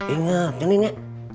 ingat ya nini